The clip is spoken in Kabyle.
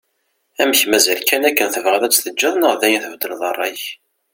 Amek mazal kan akken tebɣiḍ ad tt-teǧǧeḍ neɣ dayen tbeddleḍ rray-ik?